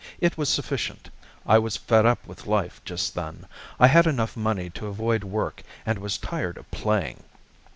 It was sufficient. I was fed up with life just then: I had enough money to avoid work and was tired of playing.